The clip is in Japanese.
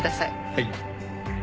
はい。